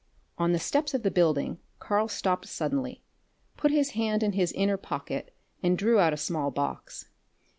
On the steps of the building Karl stopped suddenly, put his hand in his inner pocket and drew out a small box.